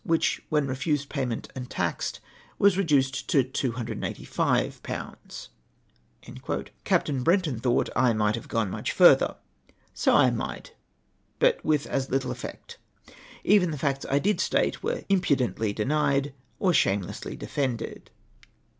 which, when refused payment and taxed, ivas reduced to 285/..^" Capt. Brenton thought '' I might have gone much further." So I might, but with as little effect. Even the facts I did state were impudently denied or shame lessly defended.